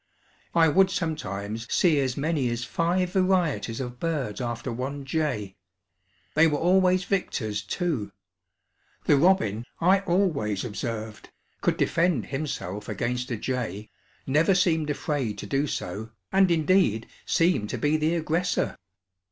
I would sometimes see as many as five varieties of birds after one jay; they were always victors, too. The robin, I always observed, could defend himself against a jay, never seemed afraid to do so, and indeed seemed to be the aggressor.